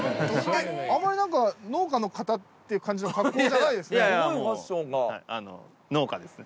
あんまり何か農家の方っていう感じの格好じゃないですね。